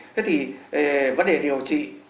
thế thì vấn đề điều trị